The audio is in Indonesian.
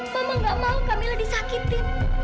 mama gak mau kamila disakiti